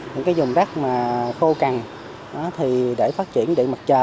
những dùng đất khô cằn để phát triển điện mặt trời